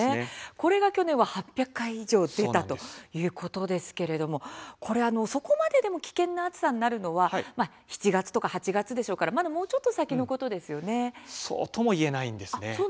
これが去年、８００回以上出たということですけれどもそこまで危険な暑さになるのは７月とか８月でしょうからまだ、もうちょっとそうとも言えないんです。